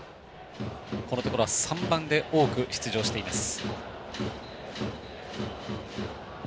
このところは３番で多く出場しています。